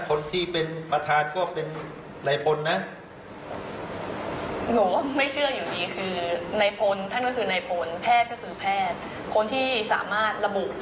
สิ่งที่พบเจอในร่างกายของผู้เสียชีวิต